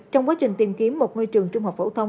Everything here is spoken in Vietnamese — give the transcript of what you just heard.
trong quá trình tìm kiếm một ngôi trường trung học phổ thông